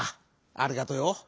ありがとうよ。